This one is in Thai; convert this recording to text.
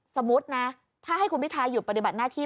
สมมุตินะถ้าให้คุณพิทาหยุดปฏิบัติหน้าที่